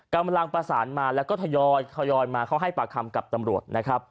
กำลังประสานมาแล้วก็ทยอยมาเขาให้ปากคำกับตำรวจนะครับ